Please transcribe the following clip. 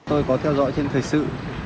tôi có theo dõi trên thời sự